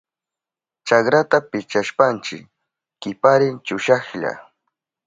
Chakrata pichashpanchi kiparin chushahlla.